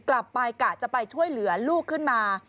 กลับไปกะจะไปช่วยเหลือลูกขึ้นมา